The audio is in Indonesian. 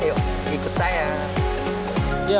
yuk ikut saya